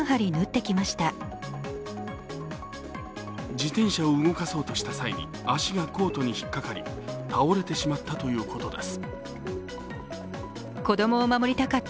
自転車を動かそうとした際に足がコートに引っ掛かり、倒れてしまったということです。